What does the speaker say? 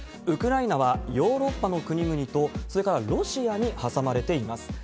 ウクライナはヨーロッパの国々と、それからロシアに挟まれています。